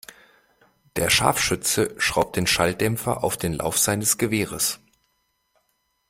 Der Scharfschütze schraubt den Schalldämpfer auf den Lauf seines Gewehres.